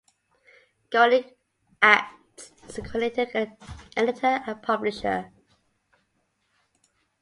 Gonick acts as coordinating editor and publisher.